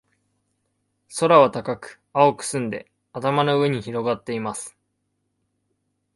空は高く、青く澄んで、頭の上に広がっています。